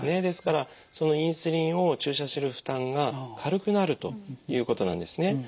ですからそのインスリンを注射する負担が軽くなるということなんですね。